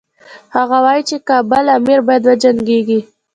هغه وايي چې کابل امیر باید وجنګیږي.